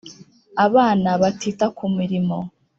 abana batita ku mirimo